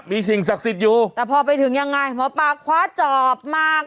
มีสิ่งศักดิ์สิทธิ์อยู่แต่พอไปถึงยังไงหมอปลาคว้าจอบมา